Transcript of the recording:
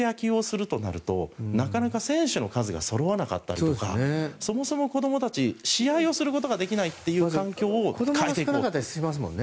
リーダー離島で野球をするとなると選手の数がそろわなかったりそもそも子どもたち試合をすることができないという環境を変える。